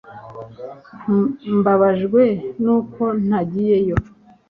mbabajwe nuko ntagiyeyo